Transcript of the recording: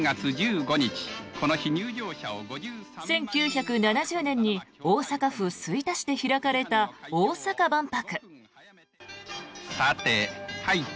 １９７０年に大阪府吹田市で開かれた大阪万博。